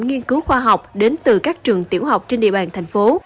nghiên cứu khoa học đến từ các trường tiểu học trên địa bàn thành phố